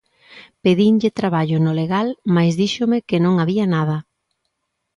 Pedinlle traballo no legal mais díxome que non había nada.